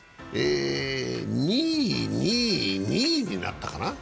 ２位、２位、２位になったかな？